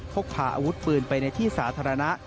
พกพาอาวุธปืนไปในที่สาธารณะ